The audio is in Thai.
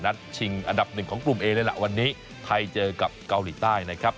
ชิงอันดับหนึ่งของกลุ่มเอเลยล่ะวันนี้ไทยเจอกับเกาหลีใต้นะครับ